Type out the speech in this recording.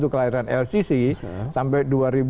kelahiran lcc sampai